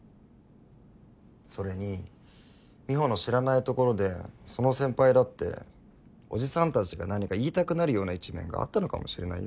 それに美帆の知らないところでその先輩だっておじさんたちが何か言いたくなるような一面があったのかもしれないよ。